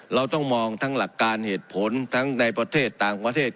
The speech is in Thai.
เราต้องมองทั้งหลักการเหตุผลทั้งในประเทศต่างประเทศ